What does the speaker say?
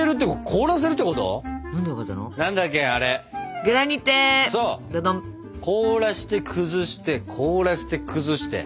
凍らして崩して凍らして崩して。